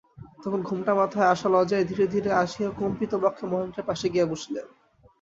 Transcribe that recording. তখন ঘোমটা-মাথায় আশা লজ্জায় ধীরে ধীরে আসিয়া কম্পিতবক্ষে মহেন্দ্রের পাশে গিয়া বসিল।